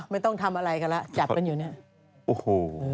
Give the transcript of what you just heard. ไม่ต้องทำอะไรก็ละจับมันอยู่เนี่ย